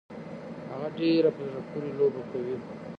هغه ډيره په زړه پورې لوبه کوي.